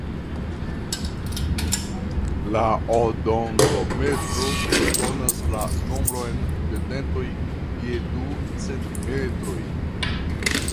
La odontometro donas la nombron de dentoj je du centimetroj.